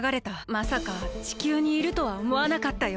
まさか地球にいるとはおもわなかったよ。